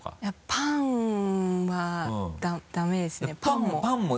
パンはダメですねパンも。